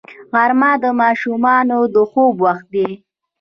غرمه د ماشومانو د خوب وخت دی